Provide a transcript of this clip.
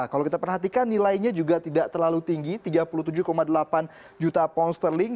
kalau kita perhatikan nilainya juga tidak terlalu tinggi tiga puluh tujuh delapan juta pound sterling